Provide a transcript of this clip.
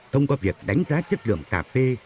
thông qua việc đánh giá chất lượng cà phê